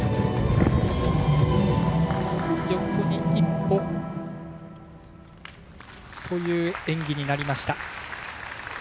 横に１歩という演技になりました。